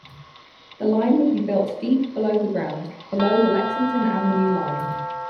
The line would be built deep below the ground, below the Lexington Avenue Line.